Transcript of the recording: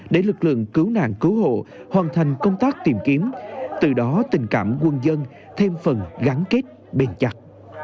để lực lượng cứu nạn cứu hộ hoàn thành công tác tìm kiếm từ đó tình cảm quân dân thêm phần gắn kết bền chặt